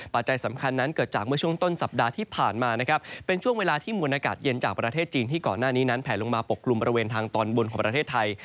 ปัจจัยสำคัญนั้นเกิดจากเมื่อช่วงต้นสัปดาห์ที่ผ่านมานะครับเป็นช่วงเวลาที่มวลอากาศเย็นจากประเทศจีนที่ก่อนหน้านี้นั้นแผลลงมาปกกลุ่มบริเวณทางตอนบนของประเทศไทย